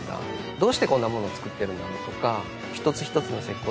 どうしてこんなものを作ってるんだろうとか一つ一つの石膏像